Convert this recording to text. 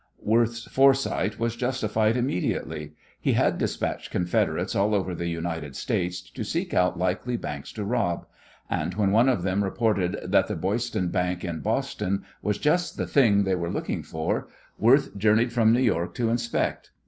Worth's foresight was justified immediately. He had despatched confederates all over the United States to seek out likely banks to rob; and, when one of them reported that the Boyston Bank, in Boston, was just the thing they were looking for, Worth journeyed from New York to inspect.